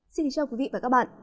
xin chào quý vị và các bạn